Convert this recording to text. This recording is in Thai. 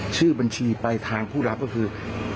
ชื่อบัญชีไปทางผู้รับก็คือ